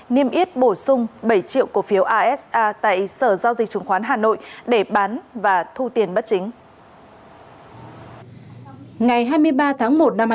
niêm yết bổ sung bảy triệu cổ phiếu asa tại sở giao dịch chứng khoán hà nội để bán và thu tiền bất chính